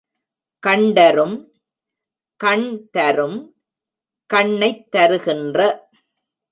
கண்டரும்—கண் தரும்— கண்ணைத் தருகின்ற.